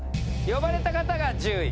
呼ばれた方が１０位。